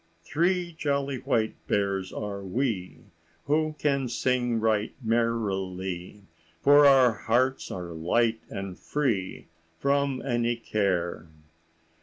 "Three jolly white bears are we, Who can sing right merrily. For our hearts are light and free From any care.